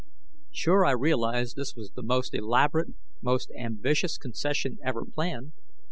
Sure, I realized this was the most elaborate, most ambitious concession ever planned.